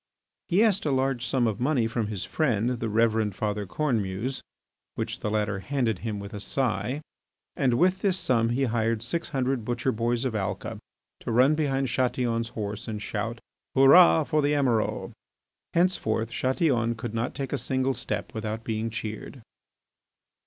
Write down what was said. He asked a large sum of money from his friend, the Reverend Father Cornemuse, which the latter handed him with a sigh. And with this sum he hired six hundred butcher boys of Alca to run behind Chatillon's horse and shout, "Hurrah for the Emiral!" Henceforth Chatillon could not take a single step without being cheered.